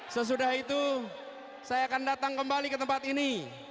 sesudah itu saya akan datang kembali ke tempat ini